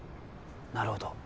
なるほど。